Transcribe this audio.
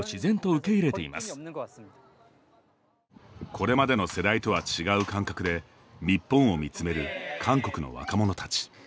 これまでの世代とは違う感覚で日本を見つめる韓国の若者たち。